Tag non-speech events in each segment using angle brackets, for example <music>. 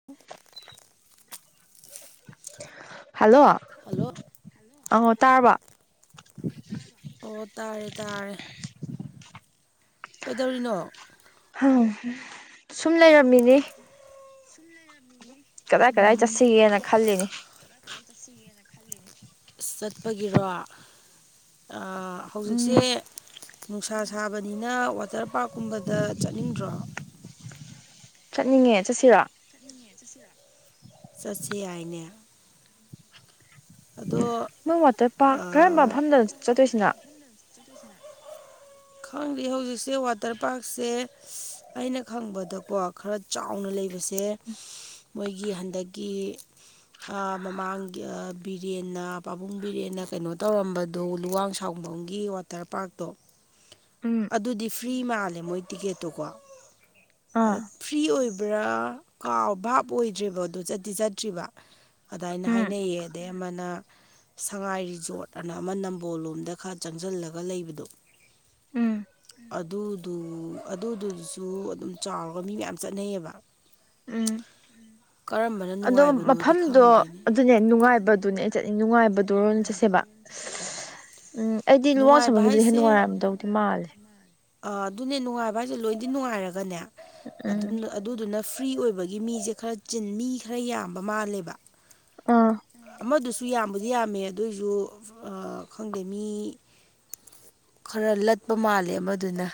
<inaudible> hello hello ꯑ ꯇꯥꯔꯕꯣ ꯑꯣ ꯇꯥꯔꯦ ꯇꯥꯔꯦ ꯀꯩꯗꯧꯔꯤꯅꯣ <unintelligible> ꯁꯨꯝ ꯂꯩꯔꯝꯃꯤꯅꯦ ꯀꯗꯥꯏ ꯀꯗꯥꯏ ꯆꯠꯁꯤꯒꯦꯅ ꯈꯜꯂꯤꯅꯦ <unintelligible> ꯏꯁ ꯆꯠꯄꯒꯤꯔꯣ ꯑ ꯎꯝ ꯍꯧꯖꯤꯛꯁꯦ ꯅꯨꯡꯁꯥ ꯁꯥꯕꯅꯤꯅ ꯋꯥꯇꯔ ꯄꯥꯔ꯭ꯛꯀꯨꯝꯕꯗ ꯆꯠꯅꯤꯡꯗ꯭ꯔꯣ ꯆꯠꯅꯤꯡꯉꯦ ꯆꯠꯁꯤꯔꯣ <unintelligible> ꯆꯠꯁꯤ ꯌꯥꯏꯅꯦ ꯑꯗꯣ ꯅꯪ ꯋꯥꯇꯔ ꯄꯥꯔ꯭ꯛ ꯀꯔꯝꯕ ꯃꯐꯝꯗꯅꯣ ꯆꯠꯇꯣꯏꯁꯤꯅ ꯈꯪꯗꯦ ꯍꯧꯖꯤꯛ ꯁꯦ ꯋꯥꯇꯔ ꯄꯥꯔ꯭ꯛꯁꯦ ꯑꯩꯅ ꯈꯪꯕꯗꯀꯣ ꯈꯔ ꯆꯥꯎꯅ ꯂꯩꯕꯁꯦ ꯃꯣꯏꯒꯤ ꯍꯟꯗꯛꯀꯤ ꯑ ꯃꯃꯥꯡꯒꯤ ꯑ ꯕꯤꯔꯦꯟꯅ ꯄꯥꯕꯨꯡ ꯕꯤꯔꯦꯟꯅ ꯀꯩꯅꯣ ꯇꯧꯔꯝꯕꯗꯣ ꯂꯨꯋꯥꯡ ꯁꯥꯡꯕꯝ ꯒꯤ ꯋꯥꯇꯔ ꯄꯥꯔ꯭ꯛꯇꯣ ꯎꯝ ꯑꯗꯨꯗꯤ ꯐ꯭ꯔꯤ ꯃꯥꯜꯂꯦ ꯃꯣꯏ ꯇꯤꯛꯀꯦꯠꯇꯨꯀꯣ ꯑ ꯑꯥ ꯐ꯭ꯔꯤ ꯑꯣꯏꯕ꯭ꯔꯥ ꯀꯥꯎ ꯚꯥꯞ ꯑꯣꯏꯗ꯭ꯔꯦꯕ ꯑꯗꯨ ꯆꯠꯇꯤ ꯆꯠꯇ꯭ꯔꯤꯕ ꯑꯗꯨꯃꯥꯏꯅ ꯎꯝ ꯍꯥꯏꯅꯩꯌꯦ ꯑꯗꯩ ꯑꯃꯅ ꯁꯉꯥꯏ ꯔꯤꯖꯣꯔꯠ ꯑꯅ ꯑꯃ ꯅꯝꯕꯣꯜ ꯂꯣꯝꯗ ꯈꯔ ꯆꯪꯁꯤꯜꯂꯒ ꯂꯩꯕꯗꯣ ꯎꯝ ꯑꯗꯨꯗꯨ ꯑꯗꯨꯗꯨꯁꯨ ꯑꯗꯨꯝ ꯆꯥꯎꯔꯒ ꯃꯤ ꯃꯌꯥꯝ ꯆꯠꯅꯩꯌꯦꯕ ꯎꯝ ꯀꯔꯝꯕꯅ ꯑꯗꯣ ꯅꯨꯡꯉꯥꯏꯕꯅꯣꯗꯤ ꯃꯐꯝꯗꯣ ꯈꯪꯗꯦꯅꯦ ꯑꯗꯨꯅꯦ ꯅꯨꯡꯉꯥꯏꯕꯗꯨꯅꯦ ꯑꯩ ꯆꯠꯅꯤꯡ ꯅꯨꯡꯉꯥꯏꯕꯗꯣ ꯑꯣꯏꯅ ꯆꯠꯁꯦꯕ ꯎꯝ ꯑꯩꯗꯤ ꯅꯨꯡꯉꯥꯏꯕ ꯂꯨꯋꯥꯡꯁꯥꯡꯕꯝꯒꯤꯗꯨꯅ ꯍꯦꯟꯅ ꯅꯨꯡꯉꯥꯏꯔꯝꯗꯧꯗꯤ ꯃꯥꯜꯂꯦ ꯑ ꯑꯗꯨꯅꯦ ꯅꯨꯡꯉꯥꯏꯕ ꯍꯥꯏꯁꯦ ꯂꯣꯏꯗꯤ ꯅꯨꯡꯉꯥꯏꯔꯒꯅꯦ ꯑꯗꯨꯝ ꯎꯝ ꯑꯗꯨꯗꯨꯅ ꯐ꯭ꯔꯤ ꯑꯣꯏꯕꯒꯤ ꯃꯤꯁꯦ ꯈꯔ ꯆꯤꯟ ꯃꯤ ꯈꯔ ꯌꯥꯝꯕ ꯃꯥꯜꯂꯦꯕ ꯑꯥ ꯑꯃꯗꯨꯁꯨ ꯌꯥꯝꯕꯨꯗꯤ ꯌꯥꯝꯃꯦ ꯑꯗꯨꯏꯁꯨ ꯑ ꯈꯪꯗꯦ ꯃꯤ ꯈꯔ ꯂꯠꯄ ꯃꯥꯜꯂꯦ ꯑꯃꯗꯨꯅ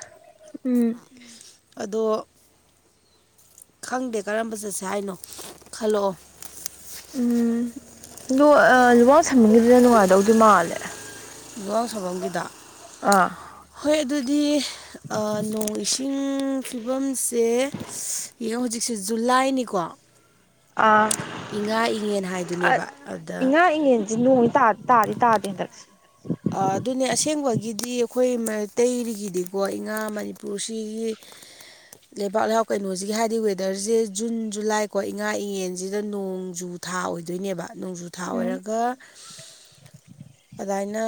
ꯎꯝ ꯑꯗꯣ ꯈꯪꯗꯦ ꯀꯔꯝꯕ ꯆꯠꯁꯦ ꯍꯥꯏꯅꯣ ꯈꯜꯂꯛꯑꯣ ꯎꯝ ꯑꯗꯣ ꯂꯨꯋꯥꯡꯁꯝꯕꯝꯒꯤꯗꯨꯅ ꯅꯨꯡꯉꯥꯏꯗꯧꯗꯤ ꯃꯥꯜꯂꯦ ꯂꯨꯋꯥꯡꯁꯝꯕꯝꯒꯤꯗꯣ ꯑꯥ ꯍꯣꯏ ꯑꯗꯨꯗꯤ ꯅꯣꯡ ꯏꯁꯤꯡ ꯐꯤꯕꯝꯁꯦ ꯍꯧꯖꯤꯛ ꯁꯤꯁꯨ ꯖꯨꯂꯥꯏꯅꯤꯀꯣ ꯏꯉꯥ ꯏꯉꯦꯟ ꯑꯥ ꯍꯥꯏꯗꯨꯅꯦꯕ ꯑꯗꯨꯗ ꯏꯉꯥ ꯏꯉꯦꯟꯁꯦ ꯅꯣꯡꯗꯤ ꯇꯥ ꯇꯥꯗꯤ ꯇꯥꯗꯦ ꯍꯟꯗꯛꯁꯦ ꯑꯗꯨꯅꯦ ꯑꯁꯦꯡꯕꯒꯤꯗꯤ ꯑꯩꯈꯣꯏ ꯃꯩꯇꯩꯒꯤꯗꯤꯀꯣ ꯏꯉꯥ ꯃꯅꯤꯄꯨꯔꯁꯤꯒꯤ <unintelligible> ꯂꯩꯕꯥꯛ ꯂꯩꯍꯥꯎ ꯀꯩꯅꯣꯁꯤꯒꯤ ꯍꯥꯏꯗꯤ ꯋꯦꯗꯔꯁꯦ ꯖꯨꯟ ꯖꯨꯂꯥꯏꯀꯣ ꯏꯉꯥ ꯏꯌꯦꯟꯁꯤꯗ ꯅꯣꯡꯖꯨ ꯊꯥ ꯑꯣꯏꯗꯣꯏꯅꯦꯕ ꯅꯣꯡꯖꯨ ꯊꯥ ꯎꯝ ꯑꯣꯏꯔꯒ ꯑꯗꯨꯃꯥꯏꯅ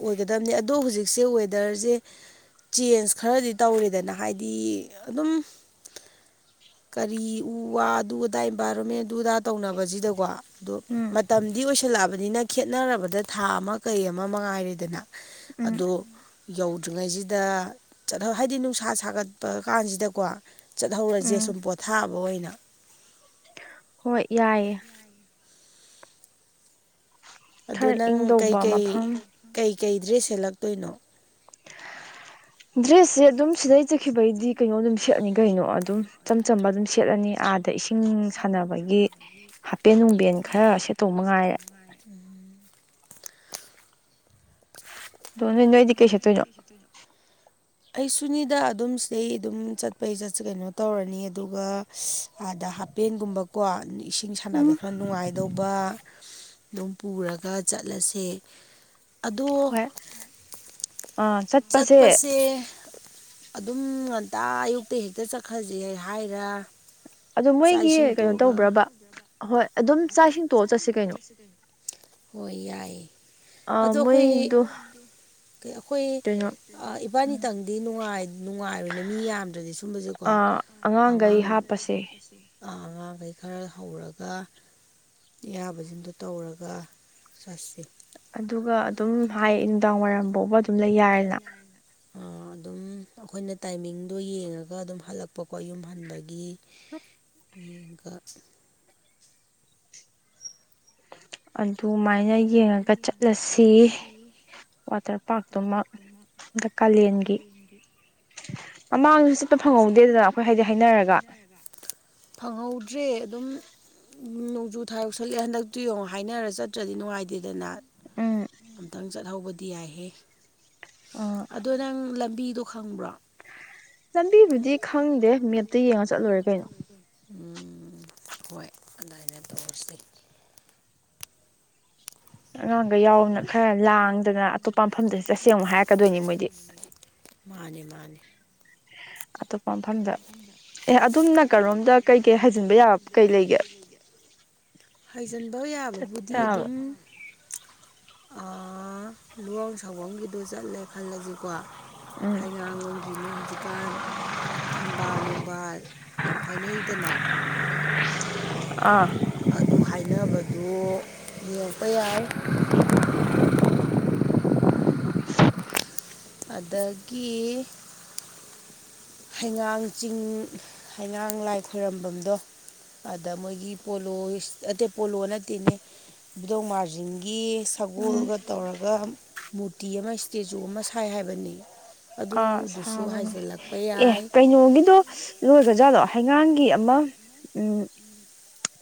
ꯑꯣꯏꯒꯗꯕꯅꯦ ꯑꯗꯣ ꯍꯧꯖꯤꯛꯁꯦ ꯋꯦꯗꯔꯁꯦ ꯆꯦꯟꯖ ꯈꯔꯗꯤ ꯇꯧꯔꯦꯗꯅ ꯍꯥꯏꯗꯤ ꯑꯗꯨꯝ ꯀꯔꯤ ꯎ ꯋꯥ ꯑꯗꯨ ꯑꯗꯥ ꯏꯟꯚꯥꯏꯔꯣꯟꯃꯦꯟꯗꯨꯗꯥ ꯇꯧꯅꯕꯁꯤꯗꯀꯣ ꯑꯗꯣ ꯎꯝ ꯃꯇꯝꯗꯤ ꯑꯣꯏꯁꯜꯂꯛꯑꯕꯅꯤꯅ ꯈꯦꯠꯅꯔꯕꯗ ꯊꯥ ꯑꯃ ꯀꯩ ꯑꯃ ꯃꯉꯥꯏꯔꯦꯗꯅ ꯎꯝ ꯑꯗꯣ ꯌꯧꯗ꯭ꯔꯤꯉꯩꯁꯤꯗ ꯆꯠꯍꯧ ꯍꯥꯏꯗꯤ ꯅꯨꯡꯁꯥ ꯁꯥꯒꯠꯄ ꯀꯥꯟꯁꯤꯗꯀꯣ ꯆꯠꯍꯧꯔꯁꯦ ꯎꯝ ꯁꯨꯝ ꯄꯣꯊꯥꯕ ꯑꯣꯏꯅ ꯍꯣꯏ ꯌꯥꯏꯌꯦ ꯑꯗꯨ ꯈꯔ ꯅꯪ ꯏꯪꯗꯧꯕ ꯀꯩꯀꯩ ꯃꯐꯝ ꯀꯩꯀꯩ ꯗ꯭ꯔꯦꯁ ꯁꯦꯠꯂꯛꯇꯣꯏꯅꯣ ꯗ꯭ꯔꯦꯁꯁꯦ ꯑꯗꯨꯝ ꯁꯤꯗꯩ ꯆꯠꯈꯤꯕꯩꯗꯤ ꯀꯩꯅꯣ ꯑꯗꯨꯝ ꯁꯦꯠꯂꯅꯤ ꯀꯩꯅꯣ ꯑꯗꯨꯝ ꯏꯆꯝ ꯆꯝꯕ ꯑꯗꯨꯝ ꯁꯦꯠꯂꯅꯤ ꯑꯥꯗ ꯏꯁꯤꯡ ꯁꯥꯟꯅꯕꯒꯤ ꯍꯥꯄꯦꯟ ꯅꯨꯡꯕꯦꯟ ꯈꯔ ꯁꯦꯠꯇꯧ ꯃꯉꯥꯏꯔꯦ ꯎꯝ ꯑꯗꯨꯅꯦ ꯅꯣꯏꯗꯤ ꯀꯩ ꯁꯦꯠꯇꯣꯏꯅꯣ ꯑꯩ ꯁꯨꯅꯤꯗ ꯑꯗꯨꯝ ꯁꯤꯗꯩ ꯑꯗꯨꯝ ꯆꯠꯄꯩ ꯆꯠꯁ ꯀꯩꯅꯣ ꯇꯧꯔꯅꯤ ꯑꯗꯨꯒ ꯑꯥꯗ ꯄꯦꯟꯒꯨꯝꯕꯀꯣ ꯏꯁꯤꯡ ꯁꯥꯟꯅꯕ ꯎꯝ ꯈꯔ ꯅꯨꯡꯉꯥꯏꯗꯧꯕ ꯑꯗꯨꯝ ꯄꯨꯔꯒ ꯆꯠꯂꯁꯦ ꯑꯗꯣ ꯍꯣꯏ ꯆꯠꯄꯁꯦ ꯑꯗꯨꯝ ꯉꯟꯇꯥ ꯑꯌꯨꯛꯇ ꯍꯦꯛꯇ ꯆꯠꯈ꯭ꯔꯁꯦ ꯍꯥꯏꯔ ꯑꯗꯨ ꯆꯥꯛ ꯃꯣꯏꯒꯤ ꯏꯁꯤꯡ ꯀꯩꯅꯣ ꯇꯣꯛꯑꯒ ꯇꯧꯕ꯭ꯔꯕ ꯍꯣꯏ ꯑꯗꯨꯝ ꯆꯥꯛ ꯏꯁꯤꯡ ꯊꯣꯡꯑ ꯆꯠꯁꯤ ꯀꯩꯅꯣ ꯍꯣꯏ ꯌꯥꯏꯌꯦ ꯑ ꯑꯗꯣ ꯑꯩꯈꯣꯏ ꯃꯣꯏꯗꯨ ꯑꯩꯈꯣꯏ ꯑ ꯏꯕꯥꯅꯤꯇꯪꯗꯤ ꯅꯨꯡꯉꯥꯏꯔꯣꯏꯅꯦ ꯃꯤ ꯌꯥꯝꯗ꯭ꯔꯗꯤ ꯁꯨꯝꯕꯁꯦꯀꯣ ꯑꯉꯥꯡꯈꯩ ꯑꯉꯥꯡ ꯍꯥꯞꯄꯁꯦ ꯑꯉꯥꯡꯈꯩ ꯈꯔ ꯍꯧꯔꯒ ꯑꯌꯥꯕꯁꯤꯡꯗꯣ ꯇꯧꯔꯒ ꯆꯠꯁꯤ ꯑꯗꯨꯒ ꯑꯗꯨꯝ ꯍꯥꯏ ꯅꯨꯡꯗꯥꯡ ꯋꯥꯏꯔꯝ ꯐꯥꯎꯕ ꯑꯗꯨꯝ ꯂꯩ ꯌꯥꯔꯦꯅ ꯑ ꯑꯗꯨꯝ ꯎꯝ ꯑꯩꯈꯣꯏꯅ ꯇꯥꯏꯃꯤꯡꯗꯣ ꯌꯦꯡꯉꯒ ꯑꯗꯨꯝ ꯍꯜꯂꯛꯄꯀꯣ ꯌꯨꯝ ꯍꯟꯕꯒꯤ ꯍ <unintelligible> ꯌꯦꯡꯉꯒ ꯑꯗꯨꯃꯥꯏꯅ ꯌꯦꯡꯉꯒ ꯆꯠꯂꯁꯤ ꯋꯥꯇꯔ ꯄꯥꯛꯇꯨꯃ ꯑꯗ ꯀꯥꯂꯦꯟꯒꯤ ꯃꯃꯥꯡꯗꯨꯁꯨ ꯆꯠꯄ ꯐꯪꯍꯧꯗꯦꯗꯅ ꯑꯩꯈꯣꯏ ꯍꯥꯏꯗꯤ ꯍꯥꯏꯅꯔꯒ ꯐꯪꯍꯧꯗ꯭ꯔꯦ ꯑꯗꯨꯝ ꯅꯣꯡꯖꯨ ꯊꯥ ꯌꯧꯁꯜꯂꯛꯑꯦ ꯍꯟꯗꯛꯇꯨ ꯌꯦꯡꯉꯣ ꯍꯥꯏꯅꯔ ꯆꯠꯇ꯭ꯔꯗꯤ ꯅꯨꯡꯉꯥꯏꯇꯦꯗꯅ ꯑꯝꯇꯪ ꯆꯠꯍꯧꯕꯗꯤ ꯌꯥꯏꯍꯦ ꯑ ꯑꯗꯣ ꯅꯪ ꯂꯝꯕꯤꯗꯣ ꯈꯪꯕ꯭ꯔꯣ ꯂꯝꯕꯤꯕꯨꯗꯤ ꯈꯪꯗꯦ ꯃꯦꯞꯇ ꯌꯦꯡꯉ ꯆꯠꯂꯣꯏꯔꯦ ꯀꯩꯅꯣ ꯎꯝ ꯍꯣꯏ ꯑꯗꯨꯃꯥꯏꯅ ꯇꯧꯔꯁꯤ ꯑꯉꯥꯡꯒꯩ ꯌꯥꯎꯅꯤꯅ ꯈꯔ ꯂꯥꯡꯗꯅ ꯑꯇꯣꯞꯄ ꯃꯐꯝꯗ ꯆꯠꯁꯤ ꯑꯃꯨꯛ ꯍꯥꯏꯔꯛꯀꯗꯣꯏꯅꯤ ꯃꯣꯏꯗꯤ ꯃꯥꯅꯤ ꯃꯥꯅꯤ ꯑꯇꯣꯞꯄ ꯃꯐꯝꯗ ꯑꯦ ꯑꯗꯨꯝꯅ ꯅꯀꯟꯔꯣꯝꯗ ꯀꯩꯀꯩ ꯍꯥꯏꯖꯤꯟꯕ ꯌꯥꯕ ꯀꯩ ꯂꯩꯒꯦ ꯍꯥꯏꯖꯤꯟꯕ ꯌꯥꯕꯕꯨꯗꯤ ꯌꯥꯕ ꯑꯗꯨꯝ ꯑ ꯂꯨꯋꯥꯎꯁꯥꯡꯕꯝꯒꯤꯗꯨ ꯆꯠꯂꯦ ꯈꯜꯂꯁꯤꯀꯣ ꯎꯝ ꯍꯩꯉꯥꯡ ꯂꯣꯝꯒꯤ ꯃꯣꯏ ꯍꯧꯖꯤꯛꯀꯥꯟ ꯊꯝꯕꯥꯜ ꯅꯨꯡꯕꯥꯜ ꯌꯥꯝ ꯍꯥꯏꯅꯩꯗꯅ ꯑꯥ ꯑꯗꯨ ꯍꯥꯏꯅꯕꯗꯨ ꯌꯦꯡꯕ ꯌꯥꯏ ꯑꯗꯒꯤ ꯍꯩꯉꯥꯡ ꯆꯤꯡ ꯍꯩꯉꯥꯡ ꯂꯥꯏ ꯈꯣꯏꯔꯝꯕꯝꯗꯣ ꯑꯗ ꯃꯣꯏꯒꯤ ꯄꯣꯂꯣ ꯄꯣꯂꯣ ꯅꯠꯇꯦꯅꯦ ꯏꯕꯨꯙꯧ ꯃꯔꯖꯤꯡꯒꯤ ꯎꯝ ꯁꯒꯣꯜꯒ ꯇꯧꯔꯒ ꯃꯨꯔꯇꯤ ꯑꯃ ꯇꯦꯖꯨ ꯑꯃ ꯁꯥꯏ ꯍꯥꯏꯕꯅꯤ ꯑꯥ ꯑꯗꯨꯗꯨꯁꯨ ꯁꯥꯕꯅꯦ ꯍꯥꯏꯖꯤꯜꯂꯛ ꯑꯦ ꯀꯩꯅꯣꯒꯤꯗꯣ ꯂꯣꯏꯒ꯭ꯔꯖꯠꯂꯣ ꯍꯩꯉꯥꯡꯒꯤ ꯑꯃ ꯎꯝ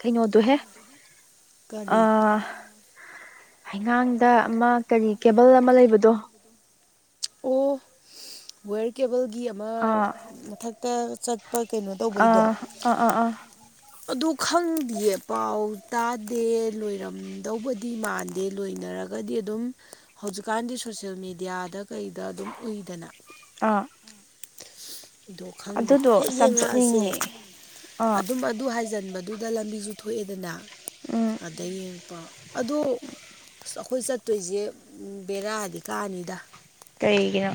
ꯀꯩꯅꯣꯗꯣꯍꯦ ꯑ ꯀꯔꯤ ꯍꯩꯉꯥꯡꯗ ꯑꯃ ꯀꯔꯤ ꯀꯦꯕꯜ ꯑꯃ ꯂꯩꯕꯗꯣ ꯑꯣ ꯋꯦꯌꯔ ꯀꯦꯕꯜꯒꯤ ꯑꯃ ꯑꯥ ꯃꯊꯛꯇ ꯆꯠ ꯑꯥ ꯑꯥ ꯑꯥ ꯑꯥ ꯑꯗꯨ ꯈꯪꯗꯤꯌꯦ ꯄꯥꯎ ꯇꯗꯦ ꯂꯣꯏꯔꯝꯗꯧꯕꯗꯤ ꯃꯥꯟꯗꯦ ꯂꯣꯏꯅꯔ ꯒꯗꯤ ꯑꯗꯨꯝ ꯍꯧꯖꯤꯛꯀꯥꯟꯗꯤ ꯁꯣꯁꯌꯦꯜ ꯃꯦꯗꯤꯌꯥꯗ ꯀꯩꯗ ꯑꯗꯨꯝ ꯎꯏꯗꯅ ꯑꯥ ꯑꯗꯣ ꯈꯪꯗꯦ ꯑꯗꯨꯗꯣ ꯍꯦꯛ ꯑꯁ ꯌꯥꯝ ꯌꯦꯡꯉꯛꯑꯁꯦ ꯆꯠꯅꯤꯡꯉꯦ ꯑꯥ ꯑꯗꯨꯝ ꯑꯗꯨ ꯍꯥꯏꯖꯟꯕ ꯑꯗꯨꯗ ꯂꯝꯕꯤꯁꯨ ꯊꯣꯛꯑꯦꯗꯅ ꯎꯝ ꯑꯗ ꯌꯦꯡꯉꯛꯄ ꯑꯗꯣ ꯑꯩꯈꯣꯏ ꯆꯠꯇꯣꯏꯁꯦ ꯕꯦꯔꯥꯗꯤ ꯀꯅꯤꯗ ꯀꯩꯒꯤꯅꯣ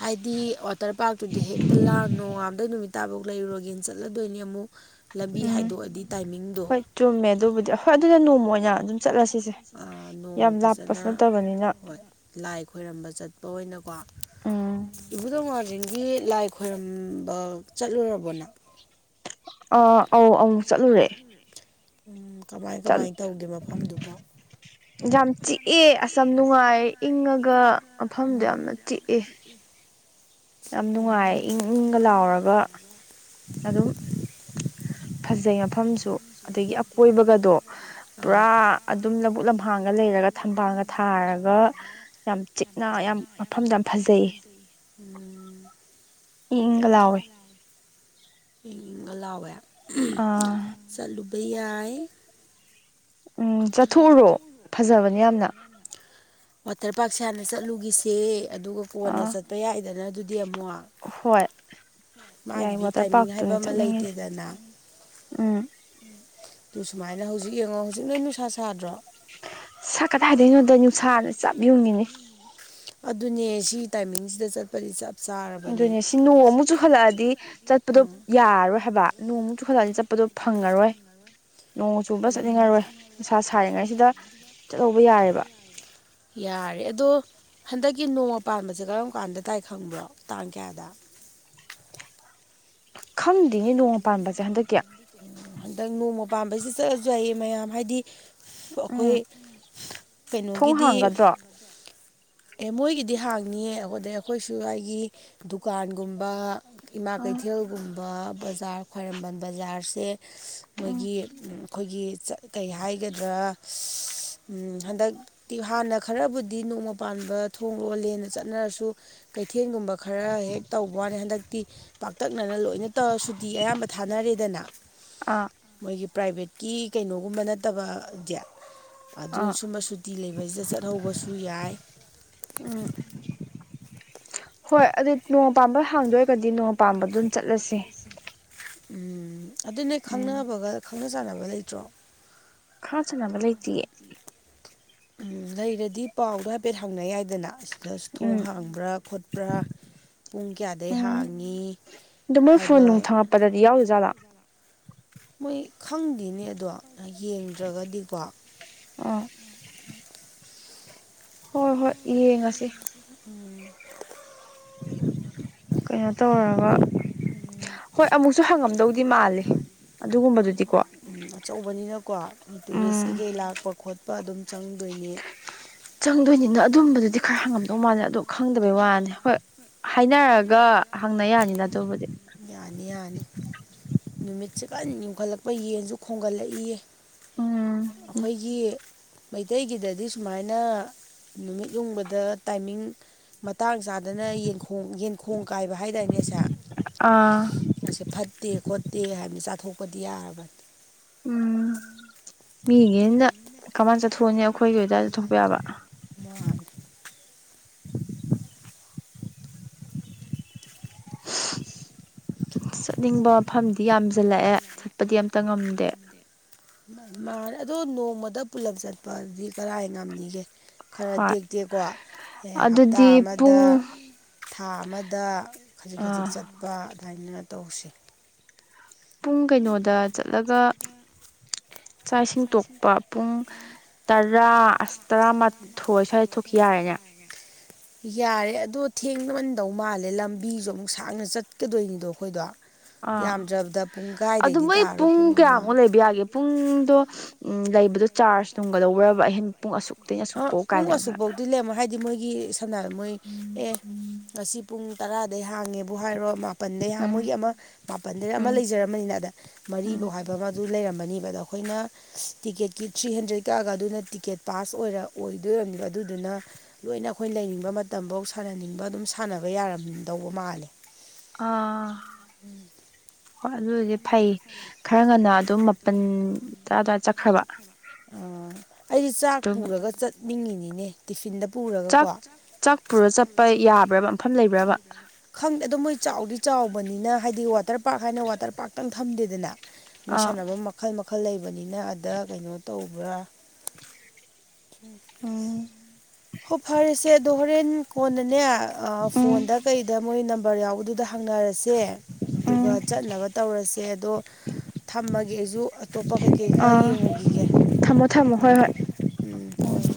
ꯍꯥꯏꯗꯤ ꯋꯥꯇꯔ ꯄꯥꯔꯛ ꯇꯨꯗꯤ ꯍꯦꯛꯇ ꯂꯥꯡ ꯅꯣꯡꯉꯥꯟꯕꯗꯩ ꯅꯨꯃꯤꯠ ꯇꯥꯐꯧ ꯂꯩꯔꯨꯔꯒꯦꯟ ꯆꯠꯂꯗꯣꯏꯅꯤ ꯑꯃꯨꯛ ꯂꯝꯕꯤ ꯎꯝ ꯍꯥꯏꯗꯣꯛꯑꯗꯤ ꯇꯥꯏꯃꯤꯡ ꯍꯣꯏ ꯆꯨꯝꯃꯦ ꯑꯗꯨꯕꯨꯗꯤ ꯍꯣꯏ ꯑꯗꯨꯗ ꯅꯣꯡꯃ ꯑꯣꯏꯅ ꯑꯗꯨꯝ ꯆꯠꯂꯁꯤꯁꯦ ꯆꯠꯂꯁꯤꯅꯦ ꯅꯣꯡꯃ ꯌꯥꯝ ꯂꯥꯞꯄꯁꯨ ꯐꯖꯅ ꯅꯠꯇꯕꯅꯤꯅ ꯍꯣꯏ ꯂꯥꯏ ꯈꯣꯏꯔꯝꯕ ꯆꯠꯄ ꯑꯣꯏꯅ ꯀꯣ ꯎꯝ ꯏꯕꯨꯙꯧ ꯃꯥꯔ ꯖꯤꯡꯒꯤ ꯂꯥꯏ ꯈꯣꯏꯔꯝꯕ ꯆꯠꯂꯨꯔꯕꯣ ꯅꯪ ꯑꯥ ꯑꯧ ꯑꯃꯨꯠ ꯆꯠꯂꯨꯔꯦ ꯎꯝ ꯀꯃꯥꯏ ꯀꯃꯥꯏ ꯇꯧꯒꯦ ꯃꯐꯝꯗꯨꯕꯣ <inaudible> ꯌꯥꯝ ꯆꯤꯛꯑꯦ ꯑꯁ ꯌꯥꯝ ꯅꯨꯡꯉꯥꯏ ꯏꯪꯉꯒ ꯃꯐꯝꯗꯣ ꯌꯥꯝꯅ ꯆꯤꯛꯑꯦ ꯌꯥꯝ ꯅꯨꯡꯉꯥꯏ ꯏꯪ ꯏꯪꯒ ꯂꯥꯎꯔꯒ ꯑꯗꯨꯝ ꯐꯖꯩ ꯃꯐꯝꯁꯨ ꯑꯗꯒꯤ ꯑꯀꯣꯏꯕꯒꯗꯣ ꯑꯥ ꯎꯝ ꯄꯨꯔꯥ ꯑꯗꯨꯝ ꯂꯕꯨꯨꯛ ꯂꯝꯍꯥꯡꯒ ꯂꯩꯔꯒ ꯊꯝꯕꯥꯜꯒ ꯊꯔꯒ ꯌꯥꯝ ꯆꯤꯛꯅ ꯌꯥꯝ ꯃꯐꯝꯗꯣ ꯌꯥꯝ ꯐꯖꯩ ꯎꯝ ꯏꯪꯏꯪꯒ ꯂꯥꯎꯏ ꯏꯪꯏꯪꯒ ꯂꯥꯎꯋꯦ ꯑꯥ ꯆꯠꯂꯨꯕ ꯌꯥꯏ ꯎꯝ ꯆꯠꯊꯣꯛꯎꯔꯣ ꯐꯖꯕꯅꯦ ꯌꯥꯝꯅ ꯋꯥꯇꯔ ꯄꯥꯛꯁꯦ ꯍꯥꯟꯅ ꯆꯠꯂꯨꯒꯤꯁꯦ ꯑꯗꯨꯒ ꯀꯣꯟꯅ ꯑꯥ ꯆꯠꯄ ꯌꯥꯏꯗꯅ ꯑꯗꯨꯗꯤ ꯑꯃꯨꯛ ꯍꯣꯏ ꯌꯥꯏ ꯃꯥꯒꯤꯗꯤ ꯋꯥꯇꯔ ꯇꯥꯏꯃꯤꯡ ꯍꯥꯏꯕ ꯄꯥꯔꯛꯇꯨꯅꯤ ꯑꯃ ꯆꯠꯅꯤꯡꯉꯤꯁꯦ ꯂꯩꯇꯦꯗꯅ ꯎꯝ ꯇꯨ ꯁꯨꯃꯥꯏꯅ ꯍꯧꯖꯤꯛ ꯌꯦꯡꯉꯣ ꯍꯧꯖꯤꯛ ꯅꯣꯏ ꯅꯨꯡꯁꯥ ꯁꯥꯗ꯭ꯔꯣ ꯁ ꯀꯗꯥꯏꯗꯩꯅꯣꯗ ꯅꯨꯡꯁꯥꯅ ꯆꯞ ꯌꯨꯡꯉꯤꯅꯦ ꯑꯗꯨꯅꯦ ꯁꯤ ꯇꯥꯏꯃꯤꯡꯁꯤꯗ ꯆꯠꯄꯗꯤ ꯆꯞ ꯆꯥꯔꯕꯅꯦ ꯑꯗꯨꯅꯦ ꯁꯤ ꯅꯣꯡ ꯑꯃꯨꯛ ꯆꯨ ꯆꯨꯈꯠꯂꯛꯑꯗꯤ ꯆꯠꯄꯗꯣ ꯌꯥꯔꯣꯏ ꯍꯥꯏꯕ ꯅꯣꯡ ꯆꯨꯈꯠꯂꯛꯑꯗꯤ ꯆꯠꯄꯗꯣ ꯐꯪꯉꯔꯣꯏ ꯅꯣꯡ ꯆꯨꯕ ꯆꯠꯅꯤꯡꯉꯔꯣꯏ ꯅꯁꯥ ꯁꯥꯔꯤꯉꯩꯁꯤꯗ ꯆꯠꯍꯧꯕ ꯌꯥꯔꯦꯕ ꯌꯥꯔꯦ ꯑꯗꯣ ꯍꯟꯗꯛꯀꯤ ꯅꯣꯡꯃ ꯄꯥꯟꯕꯁꯦ ꯀꯔꯝ ꯀꯥꯟꯗ ꯇꯥꯏ ꯈꯪꯕ꯭ꯔꯣ ꯇꯥꯡ ꯀꯌꯥꯗ ꯈꯪꯗꯦꯅꯦ ꯅꯣꯡꯃ ꯄꯥꯟꯕꯁꯦ ꯍꯟꯗꯛꯀꯤ ꯍꯟꯗꯛ ꯅꯣꯡꯃ ꯄꯥꯟꯕꯥꯝꯕꯩꯖꯤ ꯆꯠꯂꯁꯨ ꯌꯥꯏꯑ ꯃꯌꯥꯝ ꯍꯥꯏꯗꯤ ꯑꯩꯈꯣꯏ ꯊꯣꯡ ꯀꯩꯅꯣꯒꯤꯗꯤ ꯍꯥꯡꯒꯗ꯭ꯔꯣ ꯑꯦ ꯃꯣꯏꯒꯤꯗꯤ ꯍꯥꯡꯅꯤꯌꯦ ꯑꯣꯗꯦ ꯑꯩꯈꯣꯏꯁꯨ ꯑꯩꯒꯤ ꯗꯨꯀꯥꯟꯒꯨꯝꯕ ꯏꯃꯥ ꯀꯩꯊꯦꯜꯒꯨꯝꯕ ꯕꯖꯥꯔ ꯈ꯭ꯋꯥꯏꯔꯝꯕꯟ ꯕꯖꯥꯔꯁꯦ ꯃꯣꯏꯒꯤ ꯑꯩꯈꯣꯏꯒꯤ ꯆꯠ ꯀꯩ ꯍꯥꯏꯒꯗ꯭ꯔꯥ ꯎꯝ ꯍꯟꯗꯛ ꯍꯥꯟꯅ ꯈꯔꯕꯨꯗꯤ ꯅꯣꯡꯃ ꯄꯥꯟꯕ ꯊꯣꯡ ꯂꯣꯟ ꯂꯦꯅ ꯆꯠꯅꯔꯁꯨ ꯀꯩꯊꯦꯜꯒꯨꯝꯕ ꯈꯔ ꯍꯦꯛ ꯇꯧꯕ ꯋꯥꯅꯤ ꯍꯟꯗꯛꯇꯤ ꯄꯥꯛꯇꯛꯅꯅ ꯂꯣꯏꯅ ꯇ ꯁꯨꯇꯤ ꯑꯌꯥꯝꯕ ꯊꯥꯅꯔꯦꯗꯅ ꯑꯥ ꯃꯣꯏꯒꯤ ꯄ꯭ꯔꯥꯏꯚꯦꯠꯀꯤ ꯀꯩꯅꯣꯒꯨꯝꯕ ꯅꯠꯇꯕ ꯖꯦ ꯑꯗꯨ ꯑꯥ ꯁꯨꯝꯕ ꯁꯨꯇꯤ ꯂꯩꯕꯁꯤꯗ ꯆꯠꯍꯧꯕꯁꯨ ꯌꯥꯏ ꯎꯝ ꯍꯣꯏ ꯑꯗꯨ ꯅꯣꯡ ꯄꯥꯟꯕ ꯍꯥꯡꯗꯣꯏꯒꯗꯤ ꯅꯣꯡꯃ ꯄꯥꯝꯕꯗꯨꯝ ꯆꯠꯂꯁꯦ ꯎꯝ ꯑꯗꯨ ꯅ ꯎꯝ ꯈꯪꯅꯕꯒ ꯈꯪꯅ ꯆꯥꯟꯅꯕ ꯂꯩꯇ꯭ꯔꯣ ꯈꯥ ꯁꯅꯕ ꯂꯩꯇꯤꯌꯦ ꯎꯝ ꯂꯩꯔꯗꯤ ꯄꯥꯎꯗꯣ ꯍꯥꯏꯐꯦꯠ ꯍꯪꯅꯩ ꯌꯥꯏꯗꯅ ꯑꯁ ꯊꯣꯡ ꯎꯝ ꯍꯥꯡꯕ꯭ꯔꯥ ꯈꯣꯠꯄ꯭ꯔꯥ ꯄꯨꯡ ꯀꯌꯥꯗꯩ ꯍꯥꯡꯉꯤ ꯑꯗꯨ ꯃꯣꯏ ꯐꯣꯟ ꯅꯨꯡ ꯍꯥꯏꯕ ꯊꯥꯈꯠꯄꯗ ꯂꯥꯎꯗꯖꯥꯠꯂ ꯃꯣꯏ ꯈꯪꯗꯦꯅꯦ ꯑꯗꯣ ꯌꯦꯡꯗ꯭ꯔꯒꯗꯤꯀꯣ ꯎꯝ ꯍꯣꯏ ꯍꯣꯏ ꯌꯦꯡꯉꯁꯤ ꯎꯝ ꯀꯩꯅꯣ ꯇꯧꯒ ꯎꯝ ꯍꯣꯏ ꯑꯃꯨꯛꯁꯨ ꯍꯪꯉꯝꯗꯧꯗꯤ ꯃꯥꯂꯦ ꯑꯗꯨꯒꯨꯝꯕꯗꯨꯗꯤꯀꯣ ꯎꯝ ꯑꯆꯧꯕꯅꯤꯅꯀꯣ ꯇꯨꯔꯤꯁ ꯎꯝ ꯀꯩꯀꯩ ꯂꯥꯛꯄ ꯈꯣꯠꯄ ꯑꯗꯨꯝ ꯆꯪꯗꯣꯏꯅꯦ ꯆꯪꯗꯣꯏꯅꯤꯅ ꯑꯗꯨꯝꯕꯗꯗꯤ ꯈꯔ ꯍꯪꯉꯝꯗꯧ ꯃꯥꯜꯂꯦ ꯑꯗꯣ ꯈꯪꯗꯕꯩ ꯋꯥꯅꯤ ꯍꯣꯏ ꯍꯥꯏꯅꯔꯒ ꯍꯪꯅ ꯌꯥꯅꯤꯗ ꯑꯗꯨꯕꯨꯗꯤ ꯌꯥꯅꯤ ꯌꯥꯅꯤ ꯅꯨꯃꯤꯠꯁꯦ ꯀꯟꯅ ꯌꯨꯡꯈꯠꯂꯛꯄ ꯌꯦꯟꯁꯨ ꯈꯣꯝꯒꯠꯂꯛꯏꯌꯦ ꯎꯝ ꯑꯩꯈꯣꯏꯒꯤ ꯃꯩꯇꯩꯒꯤꯗꯗꯤ ꯁꯨꯃꯥꯏꯅ ꯅꯨꯃꯤꯠ ꯌꯨꯡꯕꯗ ꯇꯥꯏꯃꯤꯡ ꯃꯇꯥꯡ ꯆꯥꯗꯅ ꯌꯦꯟꯈꯣꯡ ꯌꯦꯟꯈꯣꯡ ꯀꯥꯏꯕ ꯍꯥꯏꯗꯥꯏꯅꯦ ꯑꯁꯦ ꯑꯥ ꯑꯁꯦ ꯐꯠꯇꯦ ꯈꯣꯠꯇꯦ ꯍꯥꯏꯅ ꯆꯥꯊꯣꯛꯄꯗꯤ ꯌꯥꯔꯕꯅꯤ ꯎꯝ ꯃꯤꯒꯤ ꯌꯦꯟꯗ ꯀꯃꯥꯏ ꯆꯠꯊꯣꯛꯎꯅꯤ ꯑꯩꯈꯣꯏꯒꯤ ꯑꯣꯏꯗꯗꯤ ꯆꯠꯊꯣꯛꯄ ꯌꯥꯕ <unintelligible> ꯆꯠꯅꯤꯡꯕ ꯃꯐꯝꯗꯤ ꯌꯥꯝꯖꯜꯂꯛꯑꯦ ꯆꯠꯄꯗꯤ ꯑꯝꯇ ꯉꯝꯗꯦ ꯃꯥꯅꯦ ꯑꯗꯣ ꯅꯣꯡꯃꯥꯗ ꯄꯨꯂꯞ ꯆꯠꯄꯑꯗꯤ ꯀꯔꯥꯏ ꯉꯝꯅꯤꯒꯦ ꯈꯔ ꯍꯣꯏ ꯇꯦꯛꯇꯦꯛꯀꯣ ꯍꯞꯇꯥ ꯑꯗꯨꯗꯤ ꯑꯃꯗꯥ ꯄꯨꯡ ꯊꯥ ꯑꯃꯗꯥ ꯈꯖꯤꯛ ꯈꯖꯤꯛ ꯆꯠꯄ ꯑꯗꯨꯃꯥꯏꯅ ꯇꯧꯁꯤ ꯄꯨꯡ ꯀꯩꯅꯣꯗ ꯆꯠꯂꯒ ꯆꯥꯛ ꯏꯁꯤꯡ ꯇꯣꯛꯄꯥ ꯄꯨꯡ ꯇꯔꯥ ꯑꯁ ꯇꯔꯥꯃꯥꯊꯣꯏ ꯁ꯭ꯋꯥꯏ ꯊꯣꯛꯈꯤ ꯌꯥꯔꯦꯅꯦ <unintelligible> ꯌꯥꯔꯦ ꯑꯗꯣ ꯊꯦꯡꯃꯟꯗꯧ ꯃꯥꯜꯂꯦ ꯂꯝꯕꯤꯖꯨ ꯑꯃꯨꯛ ꯁꯥꯡꯅ ꯆꯠꯀꯗꯣꯏꯅꯤꯗꯣ ꯑꯩꯈꯣꯏꯗꯣ ꯑꯥ ꯌꯥꯝꯗ꯭ꯔꯕꯗꯥ ꯑꯗꯨ ꯃꯣꯏ ꯄꯨꯡ ꯀꯌꯥꯃꯨꯛ ꯂꯩꯕ ꯌꯥꯒꯦ ꯄꯨꯡꯗꯣ ꯎꯝ ꯂꯩꯕꯗꯣ ꯆꯥꯔꯖ ꯅꯨꯡꯒꯥ ꯂꯧꯕ꯭ꯔꯥꯕ ꯑꯍꯦꯟ ꯄꯨꯡ ꯑꯁꯨꯛ ꯇꯩꯅꯥ ꯑꯁꯨꯛ ꯄꯧ ꯀꯥꯏꯅꯒꯥ ꯑꯗꯨꯗꯤ ꯃꯣꯏꯒꯤ ꯁꯝꯅꯥ ꯍꯥꯏ ꯃꯣꯏ ꯑꯦ ꯉꯁꯤ ꯄꯨꯡ ꯇꯔꯥꯗꯩ ꯍꯥꯡꯉꯦꯕꯨ ꯍꯥꯏꯔꯣ ꯃꯥꯄꯟꯗꯩ ꯍꯥꯡ ꯎꯝ ꯃꯣꯏꯒꯤ ꯑꯃ ꯃꯥꯄꯟꯗꯩ ꯑꯃ ꯎꯝ ꯂꯩꯖꯔꯝꯃꯥꯅꯤꯅ ꯎꯝ ꯃꯔꯤꯕꯧ ꯍꯥꯏꯕ ꯑꯃ ꯑꯗꯨ ꯂꯩꯔꯝꯃꯅꯤꯕ ꯑꯗꯥ ꯑꯩꯈꯣꯏꯅ ꯇꯤꯛꯀꯦꯠꯀꯤ ꯊ꯭ꯔꯤ ꯍꯟꯗ꯭ꯔꯦꯠ ꯀꯛꯑꯥꯒ ꯑꯗꯨꯅ ꯇꯤꯀꯦꯠ ꯄꯥꯁ ꯑꯣꯏꯔ ꯑꯣꯏꯗꯣꯏ ꯑꯣꯏꯔꯝꯅꯤꯕ ꯑꯗꯨꯗꯨꯅ ꯂꯣꯏꯅ ꯑꯩꯈꯣꯏ ꯂꯩꯅꯤꯡꯕ ꯃꯇꯝꯕꯧ ꯁꯥꯟꯅꯅꯤꯡꯕ ꯑꯗꯨꯝ ꯁꯥꯟꯅꯕ ꯌꯥꯔꯝꯗꯧꯕ ꯃꯥꯜꯂꯦ ꯑꯥ ꯍꯣꯏ ꯑꯗꯨꯗꯤ ꯐꯩ ꯈꯔ ꯉꯟꯅꯥ ꯑꯗꯨꯝ ꯃ ꯄꯟ ꯇꯔꯥ ꯑꯗꯨꯋꯥꯏ ꯆꯠꯈ꯭ꯔꯕꯥ ꯑꯩꯗꯤ ꯆꯥꯛ ꯄꯨꯔꯒ ꯆꯠꯅꯤꯡꯉꯤꯅꯤꯅꯦ ꯇꯤꯐꯤꯟꯗ ꯄꯨꯔ ꯆꯥꯛ ꯆꯥꯛ ꯄꯨꯔ ꯆꯠꯄ ꯌꯥꯕ꯭ꯔꯥꯕ ꯃꯐꯝ ꯂꯩꯕ꯭ꯔꯕꯥ ꯈꯪꯗꯦ ꯑꯗꯣ ꯃꯣꯏ ꯆꯥꯎꯗꯤ ꯆꯥꯎꯕꯅꯤꯅ ꯍꯥꯏꯗꯤ ꯋꯥꯇꯔ ꯄꯥꯔꯛ ꯍꯥꯏꯅ ꯋꯥꯇꯔ ꯄꯥꯔꯛꯇꯪ ꯊꯝꯗꯦꯗꯅ ꯃꯣꯏ ꯑꯥ ꯁꯥꯟꯅꯕꯝ ꯃꯈꯜ ꯃꯈꯜ ꯂꯩꯕꯅꯤꯅ ꯑꯗꯥ ꯀꯩꯅꯣ ꯇꯧꯕ꯭ꯔꯥ <unintelligible> ꯎꯝ ꯍꯣ ꯐꯔꯦꯁꯦ ꯑꯗꯣ ꯍꯣꯔꯦꯟ ꯀꯣꯟꯅꯥꯅꯦ ꯑꯥ ꯎꯝ ꯐꯣꯟꯗꯥ ꯀꯩꯗ ꯃꯣꯏ ꯅꯝꯕꯔ ꯌꯥꯎꯕꯗꯨꯗ ꯍꯪꯅꯔꯁꯦ ꯑꯗꯨꯒ ꯎꯝ ꯆꯠꯅꯕ ꯇꯧꯔꯁꯦ ꯑꯗꯣ ꯊꯝꯃꯒꯦ ꯑꯩꯖꯨ ꯑꯇꯣꯞꯄ ꯀꯩꯀꯩ ꯈꯔꯥ ꯑꯥ ꯌꯦꯡꯉꯨꯒꯤꯒꯦ ꯊꯝꯃꯣ ꯊꯝꯃꯣ ꯍꯣꯏ ꯍꯣꯏ ꯎꯝ ꯍꯣꯏ ꯍꯣꯏ